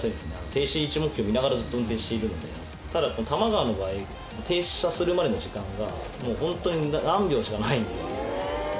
停止位置を見ながら運転してるので、ただ、多摩川の場合、停車するまでの時間がもう本当に何秒しかないので。